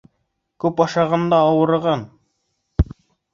Күп ашаған да ауырыған.